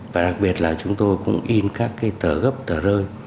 và đặc biệt là chúng tôi cũng in các cái tờ gấp tờ rơi